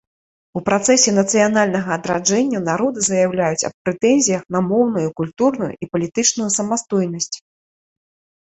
У працэсе нацыянальнага адраджэння народы заяўляюць аб прэтэнзіях на моўную, культурную і палітычную самастойнасць.